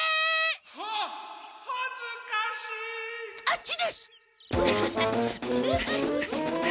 あっちです！